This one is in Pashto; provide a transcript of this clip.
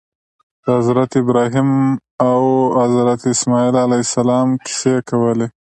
د حضرت ابراهیم او حضرت اسماعیل علیهم السلام قصې کولې.